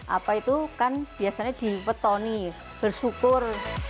apa itu kan biasanya dibetoni bersyukur